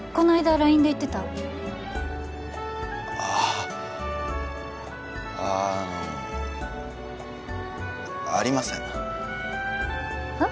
ＬＩＮＥで言ってたああのありませんえっ？